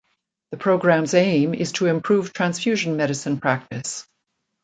The programme's aim is to improve transfusion medicine practise.